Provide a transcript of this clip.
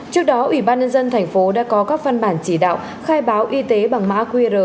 trước đó ủy ban nhân dân thành phố đã có các văn bản chỉ đạo khai báo y tế bằng mã qr